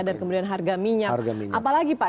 dan kemudian harga minyak